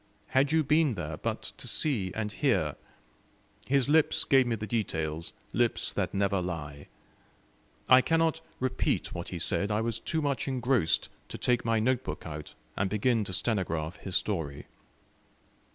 Had you been there but to see and hear! His lips gave me the details; lips that never lie. I cannot repeat what he said; I was too much engrossed to take my note book out, and begin to stenograph his story.